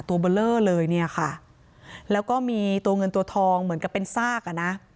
ตัวเบอร์เลอร์เลยเนี่ยค่ะแล้วก็มีตัวเงินตัวทองเหมือนกับเป็นซากอ่ะนะ